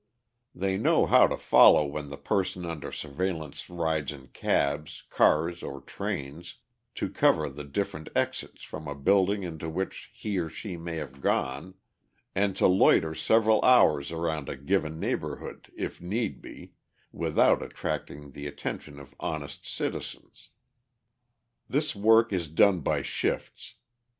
They know how to follow when the person under surveillance rides in cabs, cars or trains, to cover the different exits from a building into which he or she may have gone, and to loiter several hours around a given neighborhood, if need be, without attracting the attention of honest citizens. This work is done by shifts.